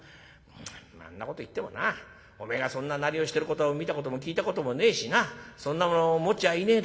んなこと言ってもなおめえがそんななりをしてること見たことも聞いたこともねえしなそんなもの持っちゃいねえだろ？」。